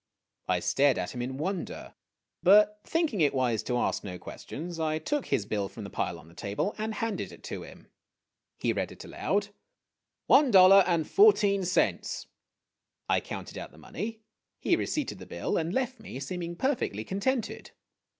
I stared at him in wonder ; but, thinking it wise to ask no questions, I took his bill from the pile on the table and handed it to him. He read it aloud :" One dollar and fourteen cents." I counted out the money. He receipted the bill and left me, seeming perfectly contented.